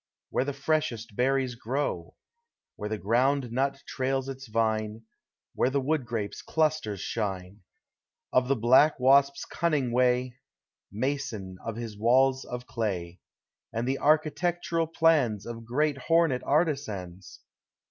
Where the freshest berries grow, Where the ground nut trails its vine, Where the wood grape's clusters shine Of the black wasp's cunning way, Mason of his walls of clay, And the architectural plans Of great hornet artisans!